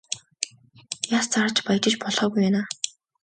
Яс зарж баяжих болоогүй байна аа.